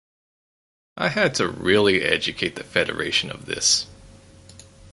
I had to really educate the federation of this.